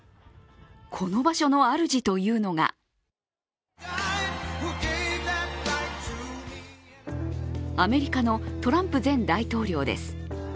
この場所の主というのがアメリカのトランプ前大統領です。